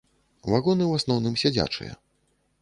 Вагоны ў асноўным сядзячыя.